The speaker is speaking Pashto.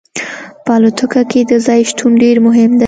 په الوتکه کې د ځای شتون ډیر مهم دی